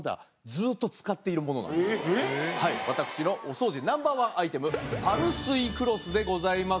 私のお掃除ナンバー１アイテムパルスイクロスでございます。